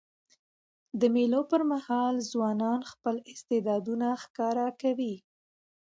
د مېلو پر مهال ځوانان خپل استعدادونه ښکاره کوي.